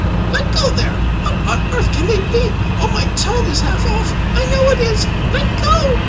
"Let go there! What on earth can they be? Oh, my toe is half off I know it is! Let go!"